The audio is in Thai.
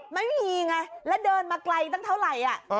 ไม่มีไงแล้วเดินมาไกลตั้งเท่าไหร่